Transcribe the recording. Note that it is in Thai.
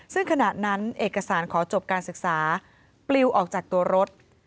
ซึ่งขณะนั้นเอกสารขอจบการศึกษาปลิวออกจากตัวรถ